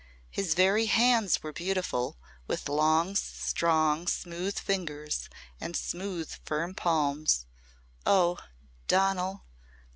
His very hands were beautiful with long, strong smooth fingers and smooth firm palms. Oh! Donal!